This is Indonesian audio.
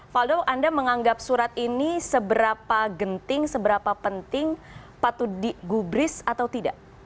faldo anda menganggap surat ini seberapa genting seberapa penting patut digubris atau tidak